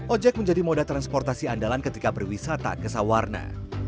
ojek menjadi moda transportasi andalan ketika berwisata ke sawarna